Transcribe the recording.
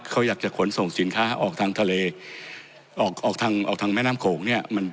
เขาอยากจะขนส่งสินค้าออกทางทะเลออกออกทางออกทางแม่น้ำโขงเนี่ย